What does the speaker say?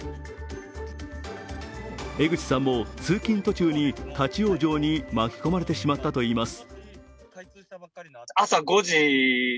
江口さんも通勤途中に立往生に巻き込まれてしまったといいます。